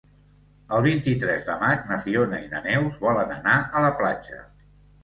El vint-i-tres de maig na Fiona i na Neus volen anar a la platja.